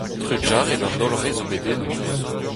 Trugarez d'an holl re zo bet eno.